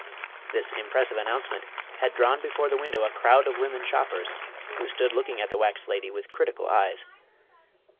This impressive announcement had drawn before the window a crowd of women shoppers, who stood looking at the wax lady with critical eyes.